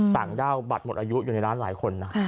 ต่างด้าวบัตรหมดอายุอยู่ในร้านหลายคนนะ